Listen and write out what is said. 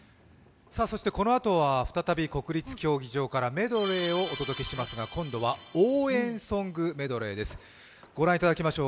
そしてこのあとは、再び国立競技場からメドレーをお届けしますが、今度は、応援ソングメドレーです。